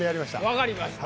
分かりました。